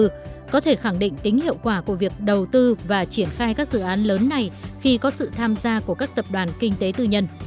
tư có thể khẳng định tính hiệu quả của việc đầu tư và triển khai các dự án lớn này khi có sự tham gia của các tập đoàn kinh tế tư nhân